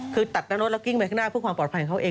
คือตัดหน้ารถแล้วกิ้งไปข้างหน้าเพื่อความปลอดภัยของเขาเอง